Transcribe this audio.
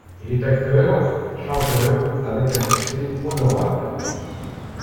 Il est acteur, chanteur, avec un succès honorable.